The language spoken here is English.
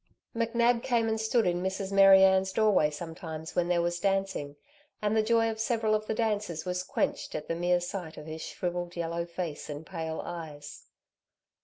McNab came and stood in Mrs. Mary Ann's doorway sometimes when there was dancing, and the joy of several of the dancers was quenched at the mere sight of his shrivelled yellow face and pale eyes.